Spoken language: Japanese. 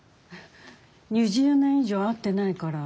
２０年以上会ってないから。